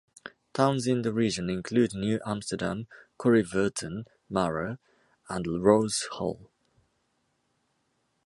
Towns in the region include New Amsterdam, Corriverton, Mara and Rose Hall.